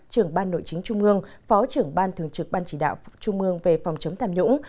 trưởng ban nội chính trung ương phó trưởng ban thường trực ban chỉ đạo trung ương về phòng chống tham nhũng